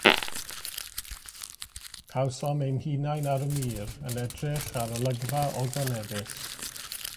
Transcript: Cawsom ein hunain ar y mur, yn edrych ar olygfa ogoneddus.